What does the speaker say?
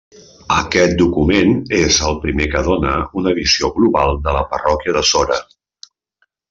Aquest document és el primer que dóna una visió global de la parròquia de Sora.